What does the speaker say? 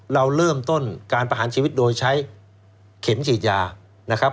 เราเริ่มต้นการประหารชีวิตโดยใช้เข็มฉีดยานะครับ